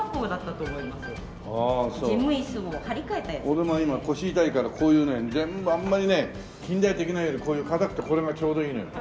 俺も今腰痛いからこういうねあんまりね近代的なのよりこういう硬くてこれがちょうどいいのよ。